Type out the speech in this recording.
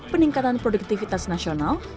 peningkatan produktivitas nasional